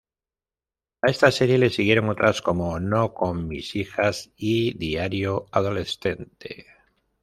A esta serie le siguieron otras como "No con mis hijas" y "Diario adolescente".